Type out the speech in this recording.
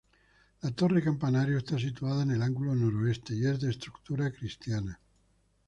La torre campanario está situada en el ángulo noroeste y es de estructura cristiana.